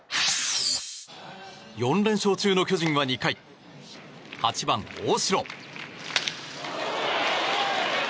４連勝中の巨人は２回８番、大城。